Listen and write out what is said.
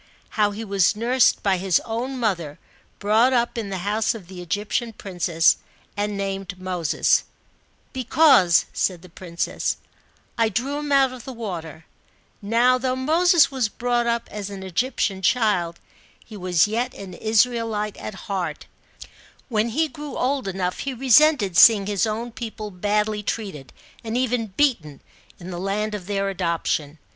How he was nursed by his own mother, brought up in the house of the Egyptian princess, and named Moses :" Because," said the princess, " I drew him out of the water/' Now, though Moses was brought up as an Egyptian child, he was yet an Israelite at heart ; when he grew old enough he resented seeing his own people badly treated, and even beaten, in the land of their adoption.